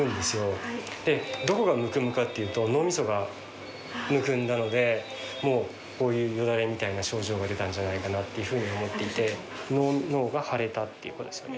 はいどこがむくむかっていうともうこういうよだれみたいな症状が出たんじゃないかなっていうふうに思っていて脳が腫れたっていうかですね